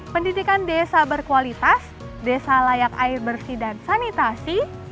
pendidikan desa berkualitas desa layak air bersih dan sanitasi